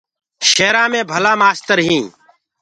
شيرآنٚ مي ڀلآ مآستر هينٚ۔